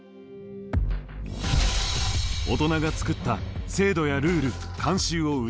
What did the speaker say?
大人が作った制度やルール慣習を打ち破る！